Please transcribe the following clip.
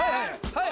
はい